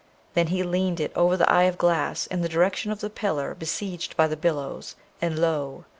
Then he leaned it over the eye of the glass, in the direction of the pillar besieged by the billows, and lo!